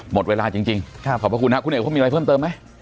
หมดเวลาจริงขอบพระคุณฮะคุณเอกเขามีอะไรเพิ่มเติมไหม